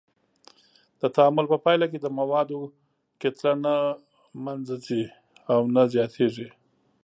د تعامل په پایله کې د موادو کتله نه منځه ځي او نه زیاتیږي.